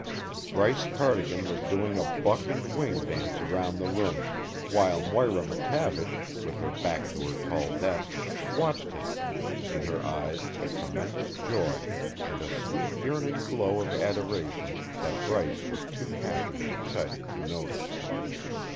Bryce Cardigan was doing a buck and wing dance around the room, while Moira McTavish, with her back to her tall desk, watched him, in her eyes a tremendous joy and a sweet, yearning glow of adoration that Bryce was too happy and excited to notice.